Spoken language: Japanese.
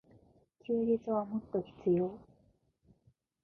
休日はもっと必要。